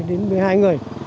đến một mươi hai người